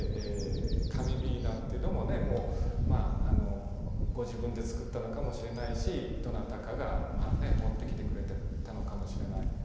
「紙雛」っていうのもご自分で作ったのかもしれないしどなたかが持ってきてくれたのかもしれない。